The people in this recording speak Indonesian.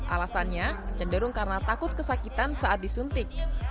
alasannya cenderung karena takut kesakitan saat disuntik